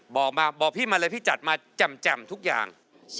บอกมาบอกพี่มาเลยพี่จัดมาแจ่มทุกอย่าง